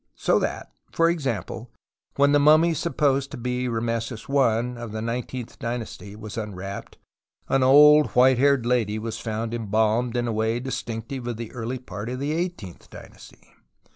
So that, for example, when the mummy supposed to be Rameses I (of the nineteenth dynasty) was unwrapped, an old white haired lady was found embalmed in a way distinctive of the early part of the eighteenth dynasty.